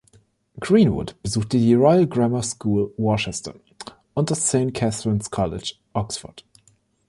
Greenwood besuchte die Royal Grammar School Worcester und das Saint Catherine's College, Oxford.